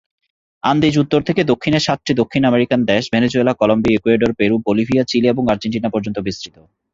Andes উত্তর থেকে দক্ষিণে সাতটি দক্ষিণ আমেরিকান দেশ: Venezuela, Colombia, Ecuador, Peru, Bolivia, Chile এবং আর্জেন্টিনা পর্যন্ত বিস্তৃত।